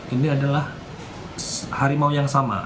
ini adalah harimau yang sama